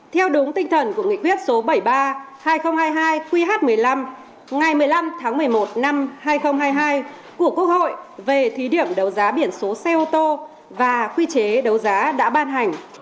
theo đúng tinh thần của nghị quyết số bảy mươi ba hai nghìn hai mươi hai qh một mươi năm ngày một mươi năm tháng một mươi một năm hai nghìn hai mươi hai của quốc hội về thí điểm đấu giá biển số xe ô tô và quy chế đấu giá đã ban hành